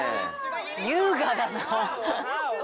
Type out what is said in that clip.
優雅だな。